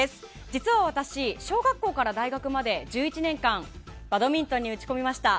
実は私、小学校から大学まで１１年間バドミントンに打ち込みました。